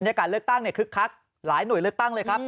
การเลือกตั้งคึกคักหลายหน่วยเลือกตั้งเลยครับ